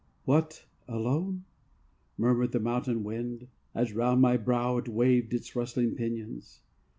"What, alone?" Murmured the mountain wind, as round my brow It waved its rustling pinions.